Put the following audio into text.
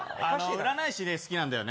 占い師、好きなんだよね。